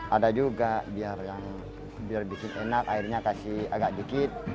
ada juga biar yang biar bikin enak akhirnya kasih agak dikit